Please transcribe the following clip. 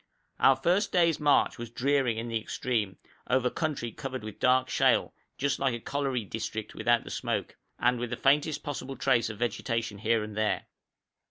Our first day's march was dreary in the extreme, over country covered with dark shale, just like a colliery district without the smoke, and with the faintest possible trace of vegetation here and there.